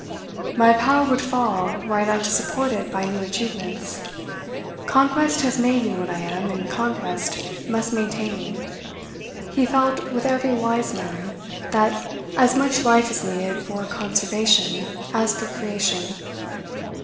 "My power would fall, were I not to support it by new achievements. Conquest has made me what I am, and conquest must maintain me." He felt, with every wise man, that as much life is needed for conservation as for creation.